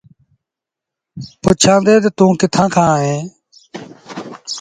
پُڇيآندي تا، توٚنٚ ڪِٿآنٚ کآݩ اهينٚ؟